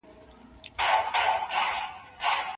د تغيرنه منونکو عاداتو اړوند دي له احتياطه کار اخلي.